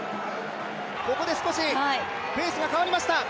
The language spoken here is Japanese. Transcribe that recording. ここで少しペースが変わりました。